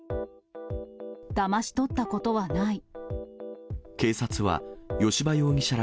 だまし取ったことはない。